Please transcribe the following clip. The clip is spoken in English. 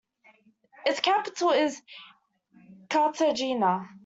Its capital is Cartagena.